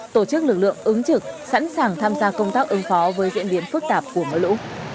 tổ chức lực lượng ứng trực sẵn sàng tham gia công tác ứng phó với diễn biến phức tạp của mưa lũ